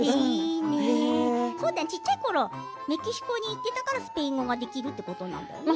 小っちゃいころメキシコにいたからスペイン語ができるっていうことなのかな。